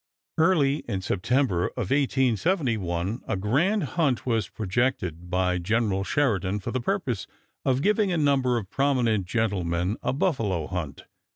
Early in September of 1871 a grand hunt was projected by General Sheridan for the purpose of giving a number of prominent gentlemen a buffalo hunt.